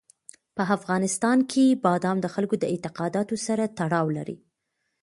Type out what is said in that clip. په افغانستان کې بادام د خلکو د اعتقاداتو سره تړاو لري.